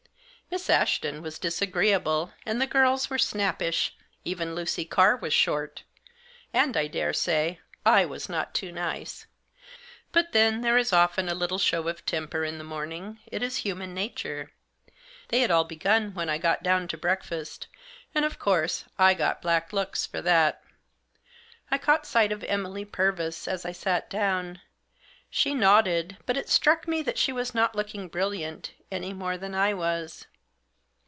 Miss Ashton was disagreeable, and the girls were snappish — even Lucy Carr was short ; and, I daresay, I was not too nice. But then there often is a little show of temper in the morning ; it is human nature. They had all begun when I got down to breakfast, and, of course, I got black looks for that. I caught sight of Emily Purvis as I sat down. She nodded ; but it struck me that she was not looking brilliant, any more than I was.